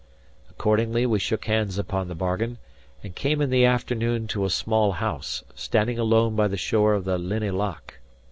Accordingly we shook hands upon the bargain, and came in the afternoon to a small house, standing alone by the shore of the Linnhe Loch.